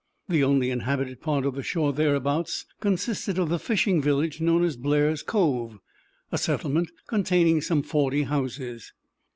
The only inhabited part of the shore thereabouts consisted of the fishing village known as Blair's Cove, a settlement containing some forty houses.